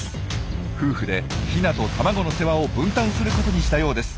夫婦でヒナと卵の世話を分担することにしたようです。